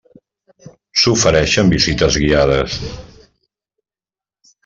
S'ofereixen visites guiades.